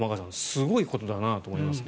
すごいことだなと思いますね。